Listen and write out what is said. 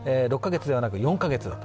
６カ月ではなく４カ月。